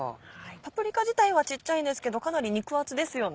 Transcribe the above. パプリカ自体は小っちゃいんですけどかなり肉厚ですよね。